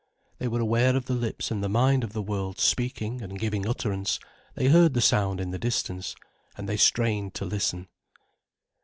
They were aware of the lips and the mind of the world speaking and giving utterance, they heard the sound in the distance, and they strained to listen.